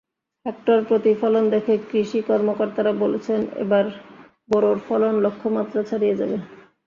হেক্টরপ্রতি ফলন দেখে কৃষি কর্মকর্তারা বলছেন, এবার বোরোর ফলন লক্ষ্যমাত্রা ছাড়িয়ে যাবে।